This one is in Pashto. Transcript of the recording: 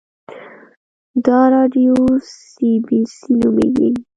دا راډیو سي بي سي نومیږي